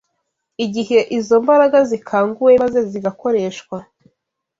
igihe izo mbaraga zikanguwe maze zigakoreshwa